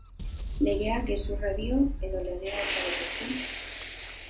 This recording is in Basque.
Legeak gezurra dio edo legea ez da betetzen?